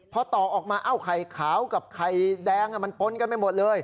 พอต่อออกมาเอ้าไข่ขาวกับไข่แดงมันปนกันไปหมดเลย